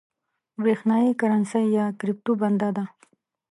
برېښنايي کرنسۍ یا کريپټو بنده ده